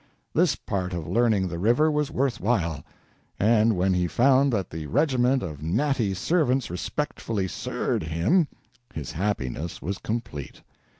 This part of learning the river was worth while; and when he found that the regiment of natty servants respectfully "sir'd" him, his happiness was complete.